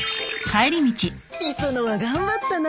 磯野は頑張ったな。